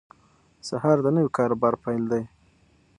سهار د نوي کار او بار پیل دی.